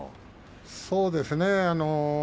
そうですね。